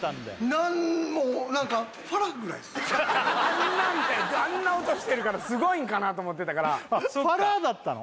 何も何かあんなんであんな音してるからすごいんかなと思ってたからファラだったの？